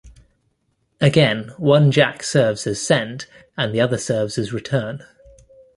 Again, one jack serves as send and the other serves as return.